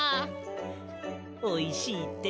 おいしいってさ！